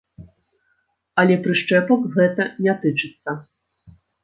Але прышчэпак гэта не тычыцца.